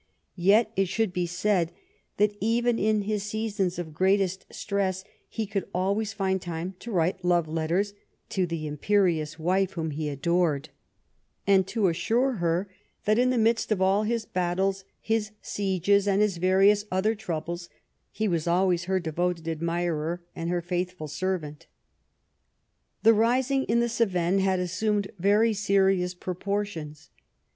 Yet it should be said that even in his seasons of greatest stress he could always find time to write love letters to the imperious wife whom he adored, and to assure her that in the midst of all his battles, his sieges, and his various other troubles, he was alwavs her devoted admirer and her faithful servant. The rising in the Cevennes had assumed very seri ous proportions.